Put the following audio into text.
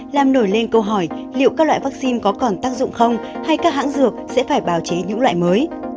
làm nổi lên câu hỏi liệu các loại vaccine có còn tác dụng không hay các hãng dược sẽ phải bào chế những loại mới